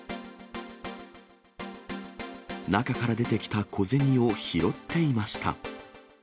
中から出てきた小銭を拾っていました。